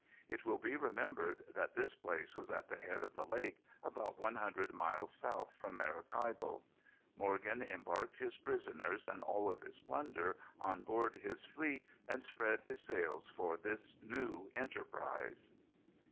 It will be remembered that this place was at the head of the lake, about one hundred miles south from Maracaibo. Morgan embarked his prisoners and all of his plunder on board his fleet and spread his sails for this new enterprise.